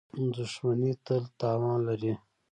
• دښمني تل تاوان لري.